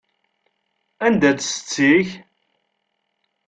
Anda-tt setti-k?